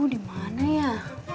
oh di mana ya